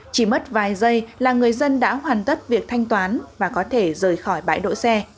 chỉ mất vài giây là người dân đã hoàn tất việc thanh toán và có thể rời khỏi bãi đỗ xe